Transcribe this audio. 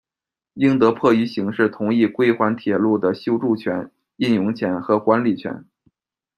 英德迫于形势，同意归还铁路的修筑权、运营权和管理权。